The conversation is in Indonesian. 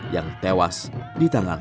yang tewas di tangan ken arong